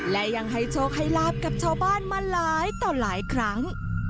และยังให้โชคให้ลาบกับชาวบ้านมาหลายต่อหลายครั้ง